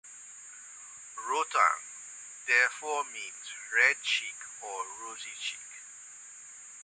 "Rotwang" therefore means "red-cheek" or "rosy-cheek".